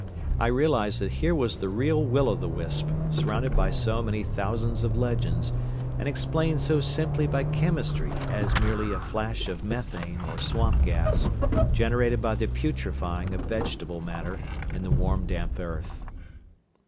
I realized that here was the real will o' the wisp surrounded by so many thousands of legends and explained so simply by chemistry as merely a flash of methane or swamp gas generated by the putrefying of vegetable matter in the warm damp earth.